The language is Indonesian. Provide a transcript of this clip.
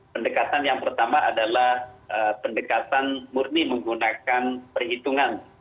pendekatan yang pertama adalah pendekatan murni menggunakan perhitungan